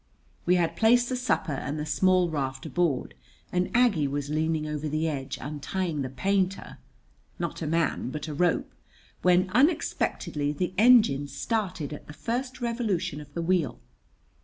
We had placed the supper and the small raft aboard, and Aggie was leaning over the edge untying the painter, not a man, but a rope, when unexpectedly the engine started at the first revolution of the wheel.